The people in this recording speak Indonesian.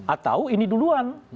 atau ini duluan